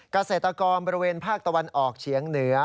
เกษตรกรบริเวณภาคตะวันออกเฉียงเหนือ